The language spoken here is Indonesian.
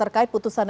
terkait putusan mk